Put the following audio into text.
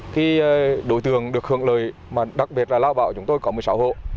khi đối tượng được hưởng lời đặc biệt là lao bảo chúng tôi có một mươi sáu hộ